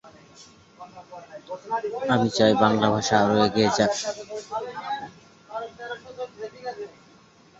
এই খাবারটি দ্রুত অন্যান্য শহরেও প্রসারিত হয়েছে।